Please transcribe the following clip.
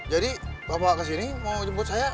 jadi bapak kesini mau jemput saya